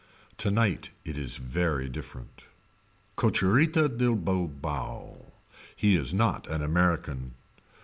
Tonight it is very different. Cocherita de Bilbao. He is not an American.